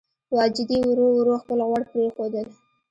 واجدې ورو ورو خپل غوړ پرېښودل.